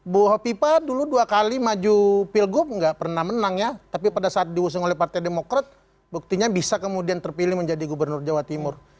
bu hopipa dulu dua kali maju pilgub nggak pernah menang ya tapi pada saat diusung oleh partai demokrat buktinya bisa kemudian terpilih menjadi gubernur jawa timur